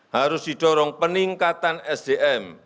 harus didorong peningkatan sdm